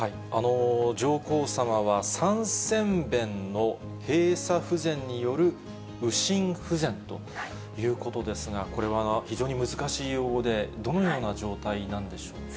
上皇さまは三尖弁の閉鎖不全による右心不全ということですが、これは非常に難しい用語で、どのような状態なんでしょうか。